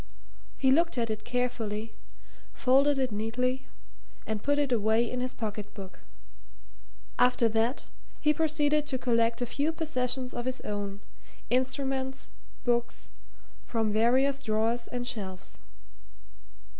He looked at it carefully, folded it neatly, and put it away in his pocket book; after that he proceeded to collect a few possessions of his own, instruments, books from various drawers and shelves.